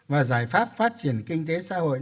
và giải pháp phát triển kinh tế xã hội